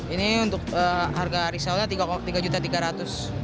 ini untuk harga reselnya rp tiga tiga ratus